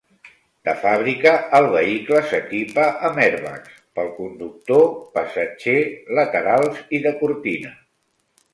De fàbrica, el vehicle s'equipa amb airbags pel conductor, passatger, laterals i de cortina.